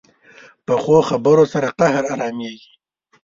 پخو خبرو سره قهر ارامېږي